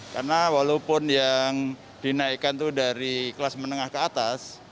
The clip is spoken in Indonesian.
karena walaupun yang dinaikkan tuh dari kelas menengah ke atas